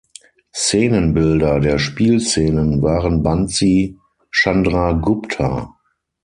Szenenbildner der Spielszenen war Bansi Chandragupta.